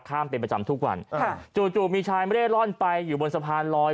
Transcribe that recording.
ประจำเป็นประจำทุกวันอ่าจู่จู่มีชายไม่ได้ร่อนไปอยู่บนสะพานลอย